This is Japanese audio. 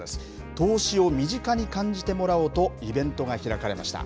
投資を身近に感じてもらおうと、イベントが開かれました。